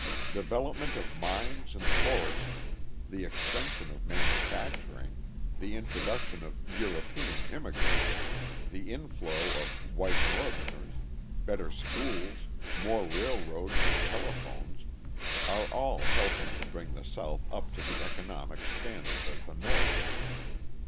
Development of mines and forests, the extension of manufacturing, the introduction of European immigrants, the inflow of white Northerners, better schools, more railroads and telephones, are all helping to bring the South up to the economic standard of the North.